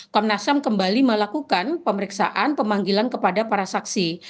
komnas ham kembali melakukan pemeriksaan pemanggilan kepada para saksi